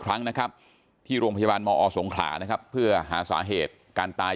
ครั้งนะครับที่โรงพยาบาลมอสงขลานะครับเพื่อหาสาเหตุการตาย